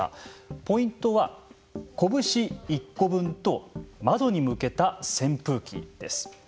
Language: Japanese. ポイントは拳１個分と窓に向けた扇風機です。